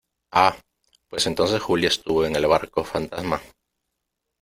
¡ ah ! pues entonces Julia estuvo en el barco fantasma